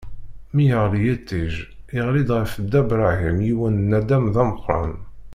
Mi yeɣli yiṭij, iɣli-d ɣef Dda Bṛahim yiwen n naddam d ameqran.